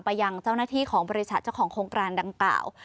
ยังเจ้าหน้าที่ของบริษัทเจ้าของโครงการดังกล่าว